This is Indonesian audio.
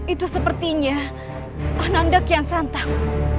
itu sepertinya ananda kian santang